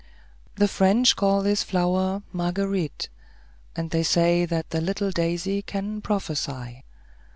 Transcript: The French call this flower "Marguerite," and they say that the little daisy can prophesy.